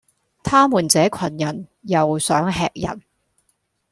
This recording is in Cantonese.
他們這羣人，又想喫人，